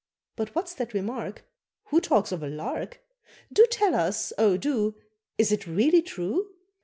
But what's that remark? Who talks of a lark? Do tell us, oh do, Is it really true?